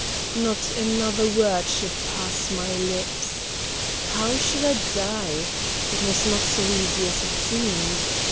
Not another word should pass my lips. How should I die? It was not so easy as it seemed.